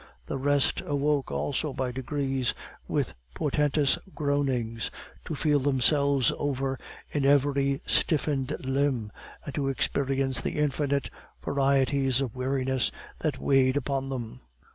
The rest awoke also by degrees, with portentous groanings, to feel themselves over in every stiffened limb, and to experience the infinite varieties of weariness that weighed upon them.